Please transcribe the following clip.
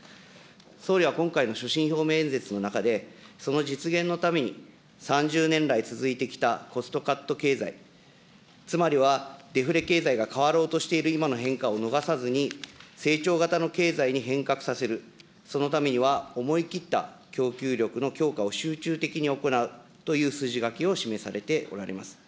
総理は今回の所信表明演説の中で、その実現のために、３０年来続いてきたコストカット経済、つまりはデフレ経済が変わろうとしている今の変化を逃さずに、成長型の経済に変革させる、そのためには思い切った供給力の強化を集中的に行うという筋書きを示されておられます。